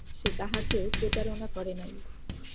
সে কাহাকেও প্রতারণা করে নাই।